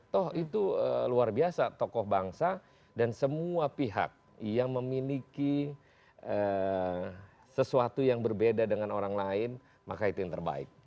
toh itu luar biasa tokoh bangsa dan semua pihak yang memiliki sesuatu yang berbeda dengan orang lain maka itu yang terbaik